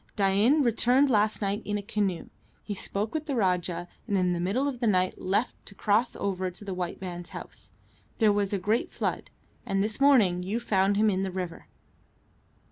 Dain returned last night in a canoe. He spoke with the Rajah, and in the middle of the night left to cross over to the white man's house. There was a great flood, and this morning you found him in the river."